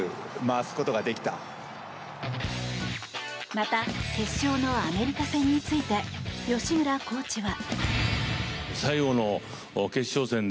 また決勝のアメリカ戦について吉村コーチは。